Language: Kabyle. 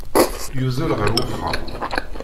Yuzzel ɣer uxxam.